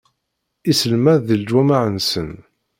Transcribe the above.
Isselmad di leǧwameɛ-nsen.